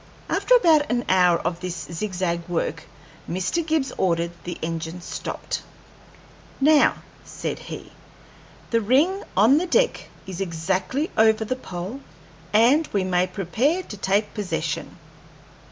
After about an hour of this zigzag work Mr. Gibbs ordered the engine stopped. "Now," said he, "the ring on the deck is exactly over the pole, and we may prepare to take possession."